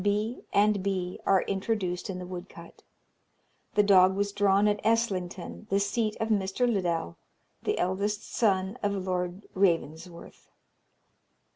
V. B. and B., are introduced in the woodcut. The dog was drawn at Eslington, the seat of Mr. Liddell, the eldest son of Lord Ravensworth.